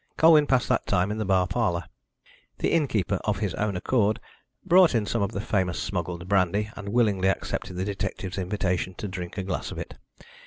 Colwyn passed that time in the bar parlour. The innkeeper, of his own accord, brought in some of the famous smuggled brandy, and willingly accepted the detective's invitation to drink a glass of it.